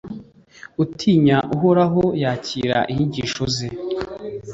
utinya uhoraho yakira inyigisho ze